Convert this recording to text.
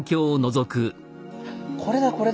これだこれだ。